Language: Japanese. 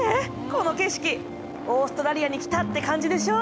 この景色「オーストラリアに来た」って感じでしょ？